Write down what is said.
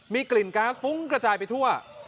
มีกลิ่นก๊าซฟุ้งกระจายไปทั่ว